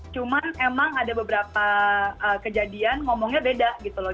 cuman emang ada beberapa kejadian ngomongnya beda gitu loh